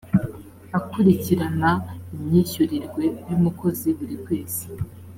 akurikirana imyishyurirwe y’umukozi buri kwezi